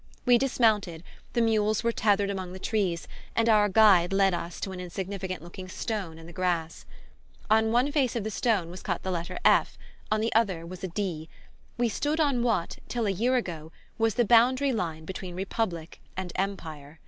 We dismounted, the mules were tethered among the trees, and our guide led us to an insignificant looking stone in the grass. On one face of the stone was cut the letter F., on the other was a D.; we stood on what, till a year ago, was the boundary line between Republic and Empire.